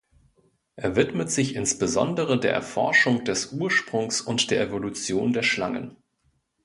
Er widmet sich insbesondere der Erforschung des Ursprungs und der Evolution der Schlangen.